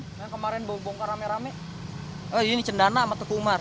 di jalan lombok sama di jalan cendana sama di jalan tekumar